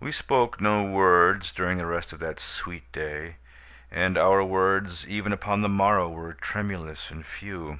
We spoke no words during the rest of that sweet day, and our words even upon the morrow were tremulous and few.